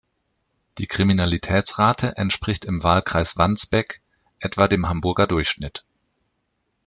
Die Kriminalitätsrate entspricht im Wahlkreis Wandsbek etwa dem Hamburger Durchschnitt.